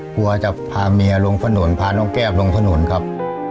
กลัวจะพาเมียลงถนนพาน้องแก้มลงถนนครับ